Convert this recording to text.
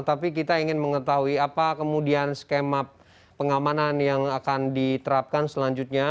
tapi kita ingin mengetahui apa kemudian skema pengamanan yang akan diterapkan selanjutnya